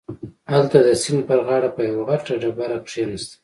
هلته د سيند پر غاړه په يوه غټه ډبره کښېناسته.